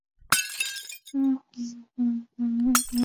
这种表示是否引起歧义或混淆依赖于上下文。